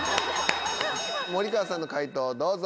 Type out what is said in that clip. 森川さんの解答どうぞ。